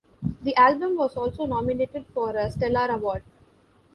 The album was also nominated for a Stellar Award.